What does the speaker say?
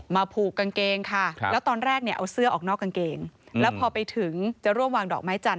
ผูกกางเกงค่ะแล้วตอนแรกเนี่ยเอาเสื้อออกนอกกางเกงแล้วพอไปถึงจะร่วมวางดอกไม้จันท